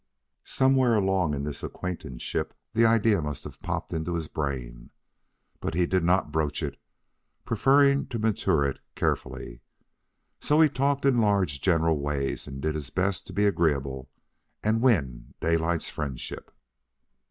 Somewhere along in this acquaintanceship the idea must have popped into his brain. But he did not broach it, preferring to mature it carefully. So he talked in large general ways, and did his best to be agreeable and win Daylight's friendship.